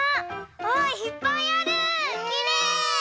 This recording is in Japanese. わあいっぱいあるきれい！